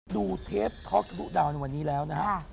ดูเทปท็อคลูกดาวน์วันนี้แล้วนะฮะ